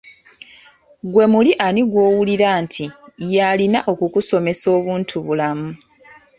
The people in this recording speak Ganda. Ggwe muli ani gw'owuli nti y'alina okukusomesa obuntubulamu?